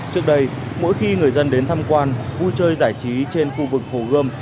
trước đây mỗi khi người dân đến tham quan vui chơi giải trí trên khu vực hồ gươm